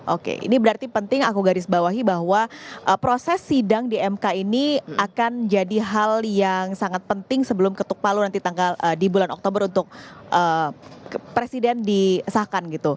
oke ini berarti penting aku garis bawahi bahwa proses sidang di mk ini akan jadi hal yang sangat penting sebelum ketuk palu nanti di bulan oktober untuk presiden disahkan gitu